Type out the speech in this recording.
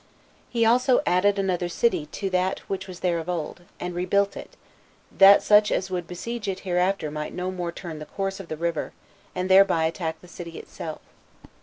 He also added another city to that which was there of old, and rebuilt it, that such as would besiege it hereafter might no more turn the course of the river, and thereby attack the city itself.